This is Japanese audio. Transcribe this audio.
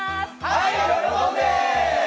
はい喜んで！